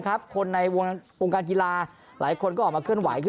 คนในวงการกีฬาหลายคนก็ออกมาเคลื่อนไหว